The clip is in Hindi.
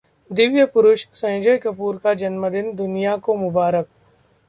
दिव्य पुरुष संजय कपूर का जन्मदिन दुनिया को मुबारक